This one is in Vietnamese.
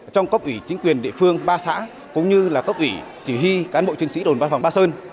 trong cốc ủy chính quyền địa phương ba xã cũng như là cốc ủy chỉ huy cán bộ chuyên sĩ đồn văn phòng ba sơn